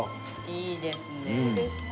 いいですね。